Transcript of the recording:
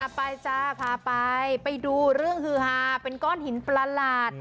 ไปจ้าพาไปไปดูเรื่องฮือฮาเป็นก้อนหินประหลาด